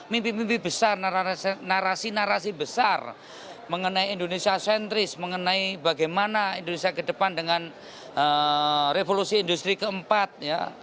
mimpi mimpi besar narasi narasi besar mengenai indonesia sentris mengenai bagaimana indonesia ke depan dengan revolusi industri keempat ya